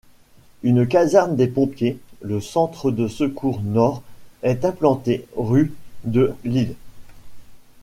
Une caserne des Pompiers, le centre de secours nord, est implantée rue de l'Ill.